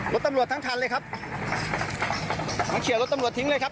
รถตำรวจทั้งคันเลยครับมาเคลียร์รถตำรวจทิ้งเลยครับ